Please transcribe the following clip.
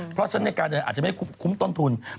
เพราะฉะนั้นในการเดินอาจจะไม่คุ้มต้นทุน